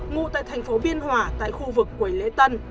ngụ tại thành phố biên hòa tại khu vực quầy lễ tân